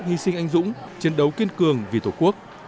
hy sinh anh dũng chiến đấu kiên cường vì tổ quốc